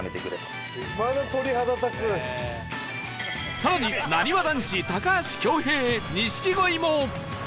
さらになにわ男子高橋恭平錦鯉も